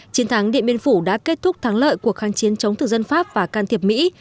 chiến thắng điện biên phủ đã kết thúc thắng lợi cuộc kháng chiến chống thực dân pháp và can thiệp mỹ